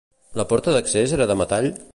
La porta d'accés era de metall?